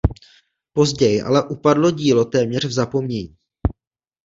Později ale upadlo dílo téměř v zapomnění.